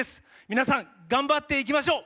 皆さん頑張っていきましょう。